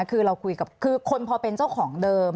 คือเราคุยกับคือคนพอเป็นเจ้าของเดิม